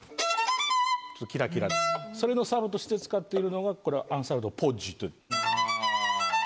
キラキラそれのサブとして使っているのがこれはアンサルド・ポッジっていう。